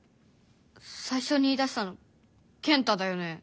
さいしょに言いだしたの健太だよね？